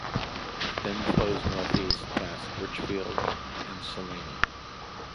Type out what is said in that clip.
It then flows northeast past Richfield and Salina.